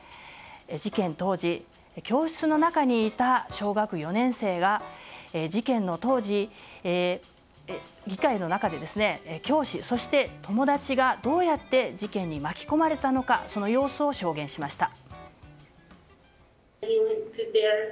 事件当時、教室の中にいた小学４年生が議会の中で教師、そして友達がどうやって事件に巻き込まれたのかその様子を証言しました。